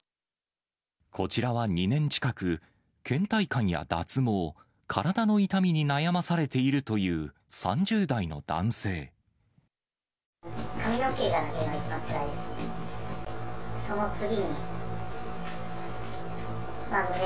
こちらは２年近く、けん怠感や脱毛、体の痛みに悩まされているという３０代の男性。